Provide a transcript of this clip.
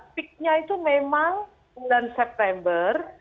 saya melihat peaknya itu memang bulan september